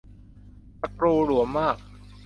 สกรูหลวมมาก